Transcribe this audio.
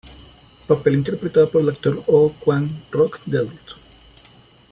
Papel interpretado por el actor Oh Kwang-rok de adulto.